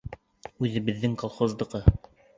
— Үҙебеҙҙең колхоздыҡы.